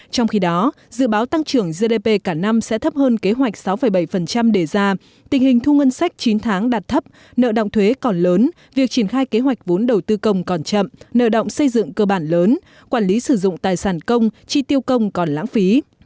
trong khi đó dự báo tăng trưởng gdp cả năm sẽ thấp hơn kế hoạch sáu bảy đề ra tình hình thu ngân sách chín tháng đạt thấp nợ động thuế còn lớn việc triển khai kế hoạch vốn đầu tư công còn chậm nợ động xây dựng cơ bản lớn quản lý sử dụng tài sản công chi tiêu công còn lãng phí